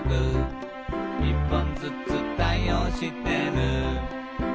「１本ずつ対応してる」